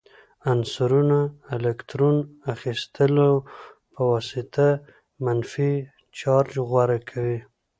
عنصرونه د الکترون اخیستلو په واسطه منفي چارج غوره کوي.